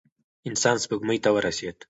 انسان سپوږمۍ ته ورسېد.